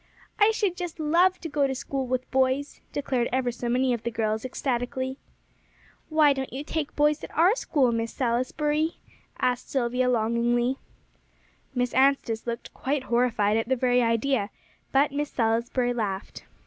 "I should just love to go to school with boys," declared ever so many of the girls ecstatically. "Why don't you take boys at our school, Miss Salisbury?" asked Silvia longingly. Miss Anstice looked quite horrified at the very idea; but Miss Salisbury laughed.